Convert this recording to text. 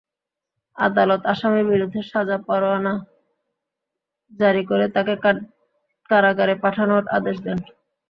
আদালত আসামির বিরুদ্ধে সাজা পরোয়ানা জারি করে তাঁকে কারাগারে পাঠানোর আদেশ দেন।